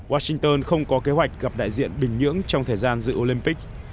washington không có kế hoạch gặp đại diện bình nhưỡng trong thời gian dự olympic